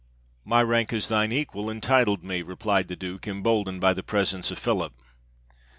"My rank as thine equal entitled me," replied the Duke, emboldened by the presence of Philip.